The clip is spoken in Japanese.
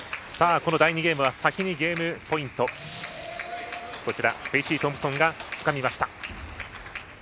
この第２ゲームは先にゲームポイントをフェイシートンプソンがつかみました。